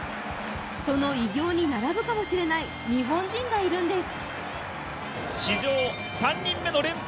その偉業に並ぶかもしれない日本人がいるんです。